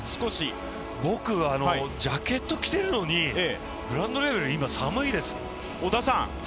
僕、ジャケット着てるのにグラウンドレベル、今、寒いです。